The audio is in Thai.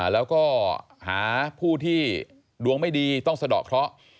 แล้วก็หาผู้ที่ดวงไม่ดีต้องสะดอกเคราะห์